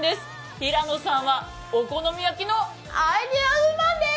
平野さんは、お好み焼きのアイデアウーマンです。